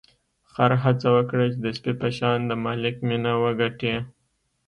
خر هڅه وکړه چې د سپي په شان د مالک مینه وګټي.